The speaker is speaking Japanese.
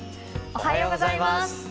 おはようございます。